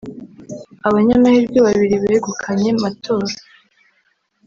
abanyamahirwe babiri begukanye matola